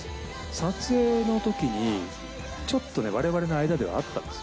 撮影のときに、ちょっとね、われわれの間ではあったんです。